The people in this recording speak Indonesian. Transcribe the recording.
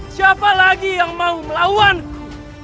siapa lagi yang mau melawanku